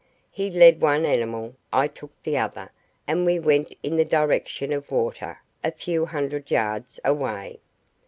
He led one animal, I took the other, and we went in the direction of water a few hundred yards away.